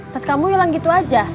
terus kamu hilang gitu aja